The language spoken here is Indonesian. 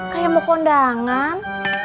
kayak mau kondangan